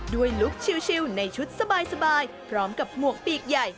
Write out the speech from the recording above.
ลุคชิลในชุดสบายพร้อมกับหมวกปีกใหญ่